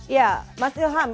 ya mas ilham